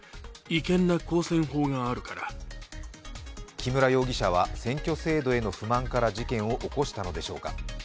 木村容疑者は選挙制度への不満から事件を起こしたのでしょうか。